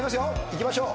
いきましょう。